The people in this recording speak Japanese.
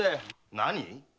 何？